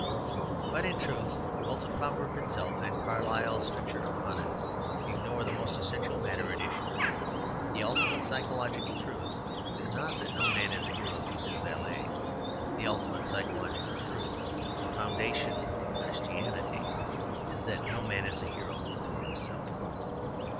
But in truth both the proverb itself and Carlyle's stricture upon it ignore the most essential matter at issue. The ultimate psychological truth is not that no man is a hero to his valet. The ultimate psychological truth, the foundation of Christianity, is that no man is a hero to himself.